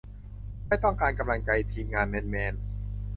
ไม่ต้องการกำลังใจ ทีมงาน แมนแมน